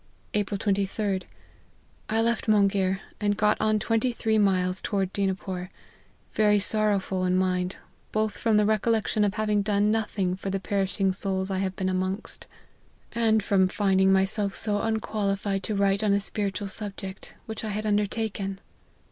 " April 23d. I left Monghir, and got on twenty three miles toward Dinapore : very sorrowful in mind, both from the recollection of having done nothing for the perishing souls I have been amongst, I 98 LIFE OF HENRY MARTYN. and from finding myself so unqualified to write on a spiritual subject, which I had undertaken.